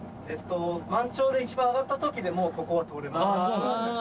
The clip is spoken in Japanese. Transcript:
満潮で一番上がったときでもここは通れます。